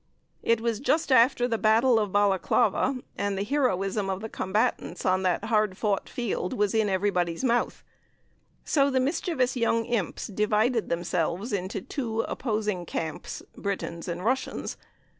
It was just after the Battle of Balaclava, and the heroism of the combatants on that hard fought field was in everybody's mouth. So the mischievous young imps divided themselves into two opposing camps Britons and Russians.